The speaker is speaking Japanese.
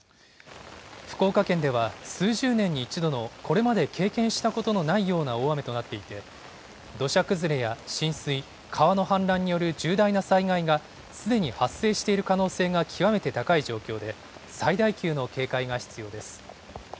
福岡県では、数十年の一度のこれまで経験したことのないような大雨となっていて、土砂崩れや浸水、川の氾濫による重大な災害がすでに発生している可能性が極めて高い状況で、最大級の警戒が必要です。